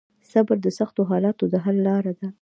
صبر د سختو حالاتو د حل لار ده.